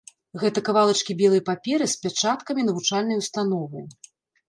Гэта кавалачкі белай паперы з пячаткамі навучальнай установы.